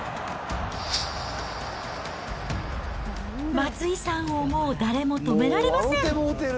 松井さんをもう誰も止められません。